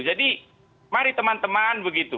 jadi mari teman teman begitu